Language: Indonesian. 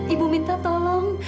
ibu minta tolong